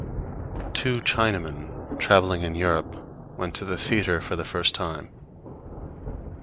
Two Chinamen traveling in Europe went to the theatre for the first time.